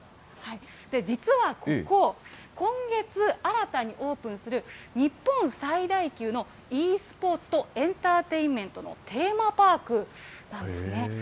実はここ、今月、新たにオープンする日本最大級のｅスポーツとエンターテインメントのテーマパークなんですね。